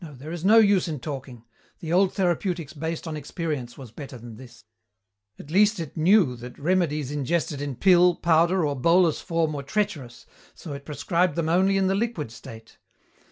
"No, there is no use in talking. The old therapeutics based on experience was better than this. At least it know that remedies ingested in pill, powder, or bolus form were treacherous, so it prescribed them only in the liquid state.